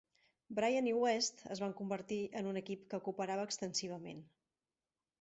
Bryant i West es van convertir en un equip que cooperava extensivament.